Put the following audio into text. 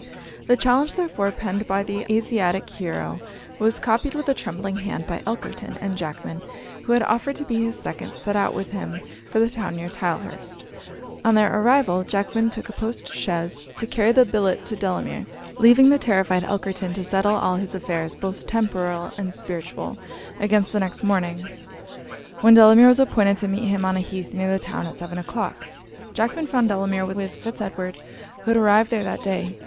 The challenge, therefore, penned by the Asiatic hero, was copied with a trembling hand by Elkerton; and Jackman, who had offered to be his second, set out with him for the town near Tylehurst. On their arrival, Jackman took a post chaise to carry the billet to Delamere, leaving the terrified Elkerton to settle all his affairs, both temporal and spiritual, against the next morning, when Delamere was appointed to meet him on a heath near the town, at seven o'clock. Jackman found Delamere with Fitz Edward, who had arrived there that day.